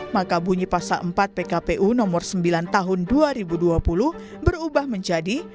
maka bunyi pasal empat pkpu nomor sembilan tahun dua ribu dua puluh berubah menjadi